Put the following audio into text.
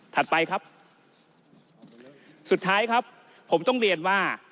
ไปครับสุดท้ายครับผมต้องเรียนว่า